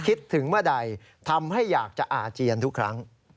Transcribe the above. คิดถึงเมื่อใดทำให้อยากจะอาเจียนทุกครั้ง